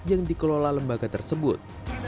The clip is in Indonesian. yang dikelola lembaga tersebut